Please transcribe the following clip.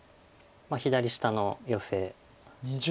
左下のヨセ。